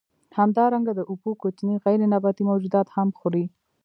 همدارنګه د اوبو کوچني غیر نباتي موجودات هم خوري.